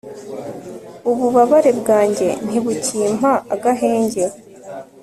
ububabare bwanjye ntibukimpa agahenge